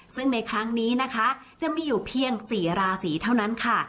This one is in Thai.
ซึ่งในครั้งนี้นะคะจะมีอยู่เพียง๔ราศีเท่านั้นค่ะ